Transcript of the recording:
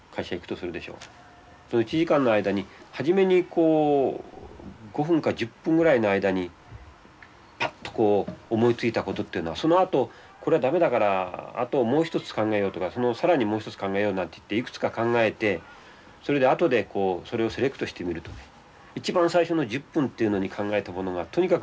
その１時間の間に初めに５分か１０分ぐらいの間にパッとこう思いついたことっていうのはそのあとこれは駄目だからあともう一つ考えようとか更にもう一つ考えようなんていっていくつか考えてそれで後でそれをセレクトしてみるとね一番最初の１０分っていうのに考えたものがとにかく一番いいですね